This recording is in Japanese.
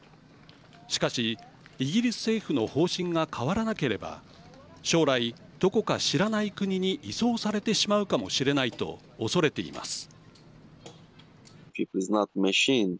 しかし、イギリス政府の方針が変わらなければ将来、どこか知らない国に移送されてしまうかもしれないと恐れています。